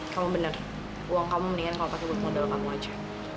kamu benar uang kamu mendingan kalau pakai buat modal kamu aja